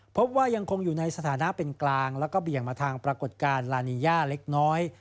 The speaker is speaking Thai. พบว่ายังคงอยู่ในสถานะเป็นกลางแล้วก็เบี่ยงมาทางปรากฏการณ์ลานีย่าเล็กน้อย